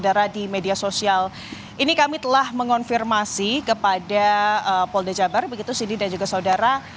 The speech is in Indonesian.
dari keterangan saksi atau pelaku yang lain